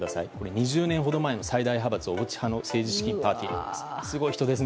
２０年ほど前の最大派閥、小渕派の政治資金パーティーです。